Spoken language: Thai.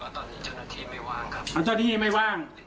ตอนนี้เจ้าหน้าทีไม่ว่างครับ